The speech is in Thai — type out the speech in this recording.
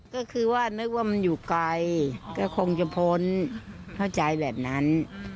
ก็คือว่านึกว่ามันอยู่ไกลก็คงจะพ้นเข้าใจแบบนั้น